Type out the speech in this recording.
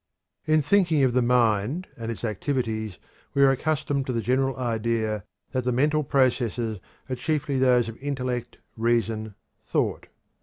In thinking of the mind and its activities we are accustomed to the general idea that the mental processes are chiefly those of intellect, reason, thought.